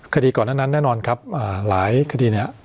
คดีก่อนหน้านั้นแน่นอนครับหลายคดีเนี่ย